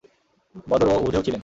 বদর ও উহুদেও ছিলেন।